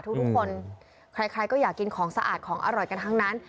ทุกคนใครก็อยากกินของสะอาดของอร่อยกันทั้งนั้น